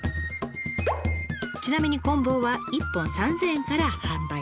ちなみにこん棒は１本３，０００円から販売。